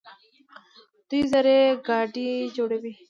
دوی زرهي ګاډي جوړوي.